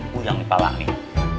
bunyeng di palang nih